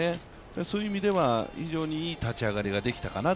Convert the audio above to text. そういう意味では非常にいい立ち上がりたできたかなと。